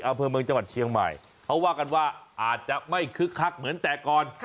อำเภอเมืองจังหวัดเชียงใหม่เขาว่ากันว่าอาจจะไม่คึกคักเหมือนแต่ก่อน